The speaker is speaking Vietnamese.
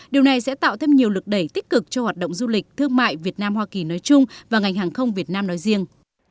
điều này sẽ tạo thêm nhiều lực đẩy tích cực cho hoạt động du lịch thương mại việt nam hoa kỳ nói chung và ngành hàng không việt nam nói riêng